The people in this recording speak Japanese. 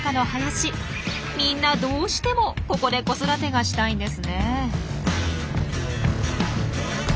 みんなどうしてもここで子育てがしたいんですね。